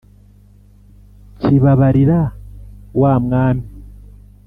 kibabarira, wa mwami